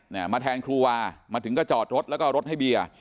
มาแทนครูวามาถึงก็จอดรถแล้วก็เอารถให้เบียร์